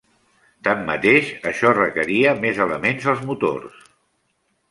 Tanmateix, això requeria més elements als motors.